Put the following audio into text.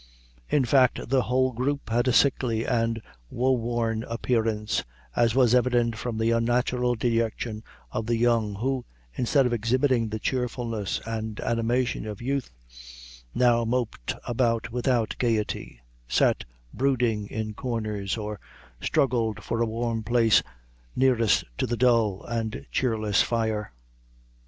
In fact, the whole group had a sickly and wo worn appearance, as was evident from the unnatural dejection of the young, who, instead of exhibiting the cheerfulness and animation of youth, now moped about without gayety, sat brooding in corners, or struggled for a warm place nearest to the dull and cheerless fire.